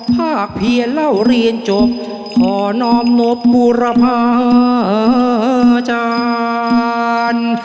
แล้วเรียนจบขอนอมนพบุรพาจารย์